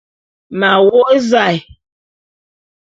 M'a wô'ô zae.